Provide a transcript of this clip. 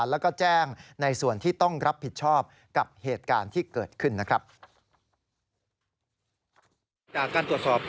แล้วก็แจ้งในส่วนที่ต้องรับผิดชอบกับเหตุการณ์ที่เกิดขึ้นนะครับ